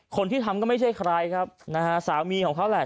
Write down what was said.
คนที่ทำก็ไม่ใช่ใครครับนะฮะสามีของเขาแหละ